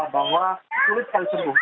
bahwa sulit kali sembuh